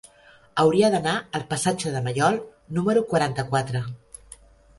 Hauria d'anar al passatge de Maiol número quaranta-quatre.